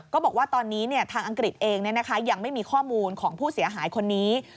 บอกว่าตอนนี้ทางอังกฤษเองยังไม่มีข้อมูลของผู้เสียหายคนนี้